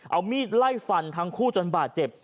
เอามีดไล่ฟันทั้งคู่จนบาดเจ็บ